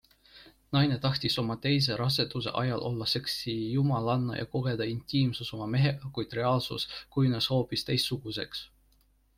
Naine tahtis oma teise raseduse ajal olla seksijumalanna ja kogeda intiimsust oma mehega, kuid reaalsus kujunes hoopis teistsuguseks...